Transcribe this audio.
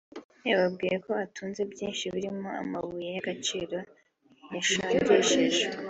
yababwiye ko atunze byinshi birimo amabuye y’agaciro yashongeshejwe